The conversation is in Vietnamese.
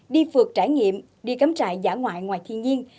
đi phượt trải nghiệm đi cắm trại giả ngoại ngoài thiên nhiên